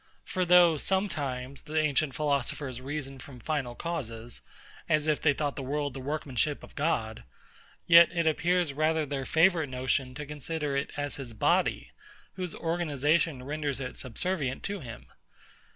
For though, sometimes, the ancient philosophers reason from final causes, as if they thought the world the workmanship of God; yet it appears rather their favourite notion to consider it as his body, whose organisation renders it subservient to him.